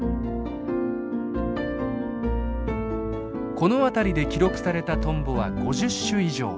この辺りで記録されたトンボは５０種以上。